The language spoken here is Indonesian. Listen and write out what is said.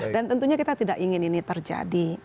dan tentunya kita tidak ingin ini terjadi